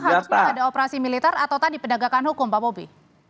jadi kalau menurut dari komisi satu harusnya ada operasi militer atau tadi penegakan hukum pak bobi